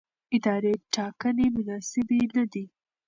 اداري ټاکنې مناسبې نه دي.